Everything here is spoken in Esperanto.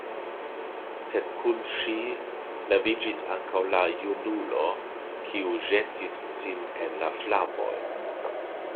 Sed kun ŝi leviĝis ankaŭ la junulo, kiu ĵetis sin en la flamojn.